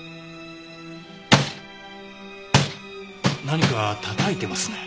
何か叩いてますね。